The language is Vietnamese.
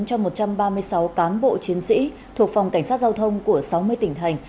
cho một trăm ba mươi sáu cán bộ chiến sĩ thuộc phòng cảnh sát giao thông của sáu mươi tỉnh thành